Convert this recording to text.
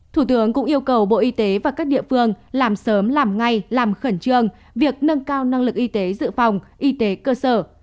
thủ tướng cũng yêu cầu bộ y tế và các địa phương làm sớm làm ngay làm khẩn trương việc nâng cao năng lực y tế dự phòng y tế cơ sở